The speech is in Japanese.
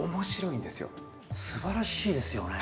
すばらしいですよね。